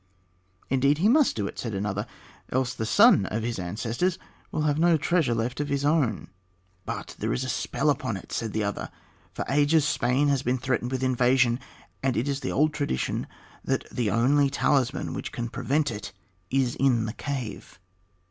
"Indeed, he must do it," said another, "else the son of his ancestors will have no treasure left of his own." "But there is a spell upon it," said the other. "For ages Spain has been threatened with invasion, and it is the old tradition that the only talisman which can prevent it is in this cave."